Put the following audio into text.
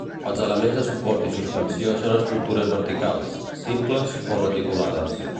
Els elements de suport i suspensió són estructures verticals, simples o reticulades.